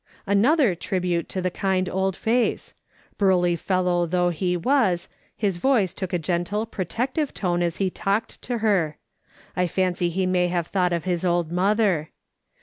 Another tribute to the kind old face. Burly fellow though he was, his voice took a gentle, protective tone as he talked to her ; I fancy he may have thought of his old mother.